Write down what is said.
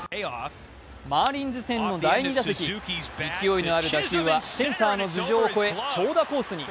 マーリンズ戦の第２打席勢いのある打球はセンターの頭上を越え長打コースに。